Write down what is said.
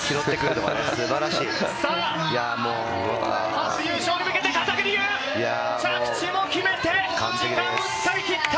初優勝に向けて片桐悠、着地を決めて、時間を使い切った！